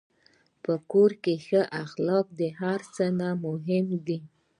په کور کې ښه اخلاق د هر څه نه مهم دي.